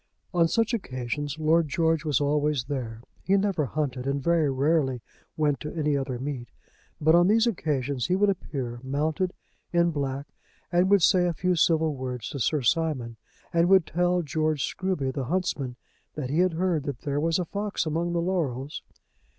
On such occasions Lord George was always there. He never hunted, and very rarely went to any other meet; but on these occasions he would appear mounted, in black, and would say a few civil words to Sir Simon, and would tell George Scruby, the huntsman, that he had heard that there was a fox among the laurels.